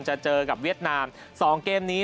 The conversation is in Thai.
จะเจอกับเวียดนาม๒เกมนี้